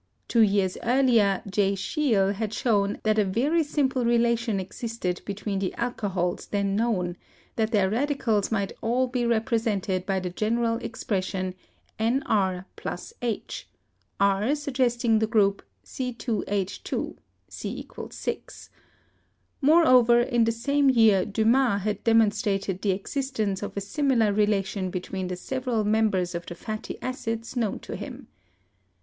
Two years earlier J. Schiel had shown that a very simple relation existed between the alcohols then known, that their radicals might all be rep resented by the general expression nR f H, R suggesting the group C 2 H 2 (C = 6); moreover, in the same year Dumas had demonstrated the existence of a similar rela tion between the several members of the fatty acids known to him.